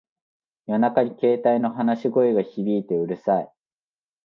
夜中に携帯の話し声が響いてうるさい